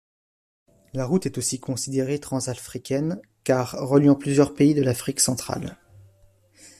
La route et aussi considéré transafricaine car reliant plusieurs pays de l'Afrique centrale.